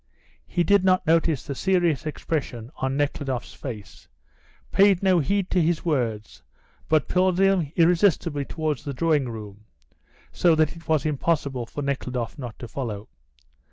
He did not notice the serious expression on Nekhludoff's face, paid no heed to his words, but pulled him irresistibly towards the drawing room, so that it was impossible for Nekhludoff not to follow.